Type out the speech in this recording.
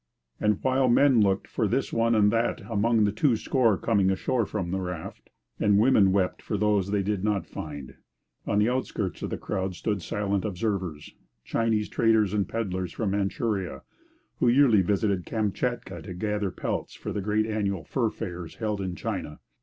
And while men looked for this one and that among the two score coming ashore from the raft, and women wept for those they did not find, on the outskirts of the crowd stood silent observers Chinese traders and pedlars from Manchuria, who yearly visited Kamchatka to gather pelts for the annual great fur fairs held in China.